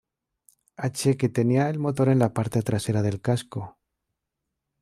H, que tenía el motor en la parte trasera del casco.